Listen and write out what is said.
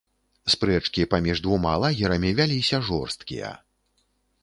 Спрэчкі паміж двума лагерамі вяліся жорсткія.